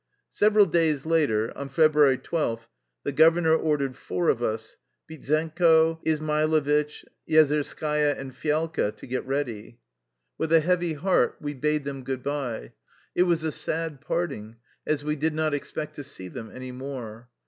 Several days later, on February 12th, the governor ordered four of us, Bitzenko, Izmailo vitch, Yezerskaya, and Fialka, to get ready. 179 THE LIFE STORY OF A RUSSIAN EXILE With a heavy heart we bade them good by. It was a sad parting, as we did not expect to see them any more.